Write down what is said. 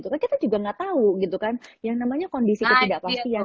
kita juga gak tahu yang namanya kondisi ketidakpastian